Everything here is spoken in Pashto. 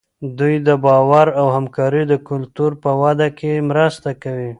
دوی د باور او همکارۍ د کلتور په وده کې مرسته کوي.